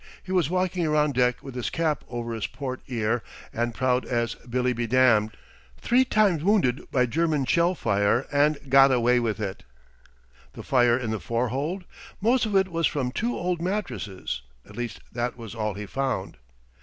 He was walking around deck with his cap over his port ear and proud as Billy be Damn' three times wounded by German shell fire and got away with it! The fire in the forehold? Most of it was from two old mattresses at least that was all he found.